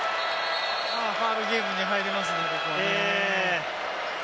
ファウルゲームに入りますね。